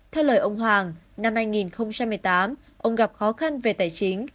theo lời ông hoàng năm hai nghìn một mươi tám ông gặp khó khăn về tài chính